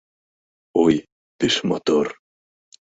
Ой, пеш мотор!